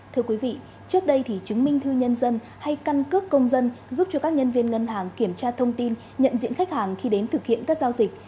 thưa quý vị trước đây thì chứng minh thư nhân dân hay căn cước công dân giúp cho các nhân viên ngân hàng kiểm tra thông tin nhận diện khách hàng khi đến thực hiện các giao dịch